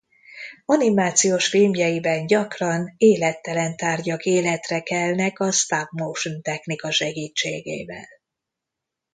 Animációs filmjeiben gyakran élettelen tárgyak életre kelnek a stop-motion technika segítségével.